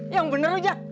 emang bener lo jack